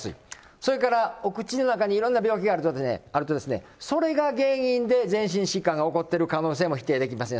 それから、お口の中にいろんな病気があると、それが原因で全身疾患が起こっている可能性も否定できません。